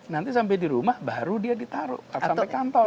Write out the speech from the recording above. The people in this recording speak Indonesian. nanti sampai di rumah baru dia ditaruh sampai kantor